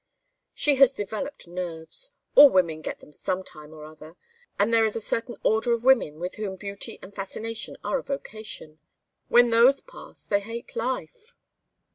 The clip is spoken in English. "She has developed nerves. All women get them sometime or other. And there is a certain order of women with whom beauty and fascination are a vocation. When those pass they hate life."